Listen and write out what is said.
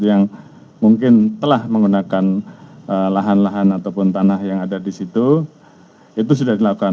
yang mungkin telah menggunakan lahan lahan ataupun tanah yang ada di situ itu sudah dilakukan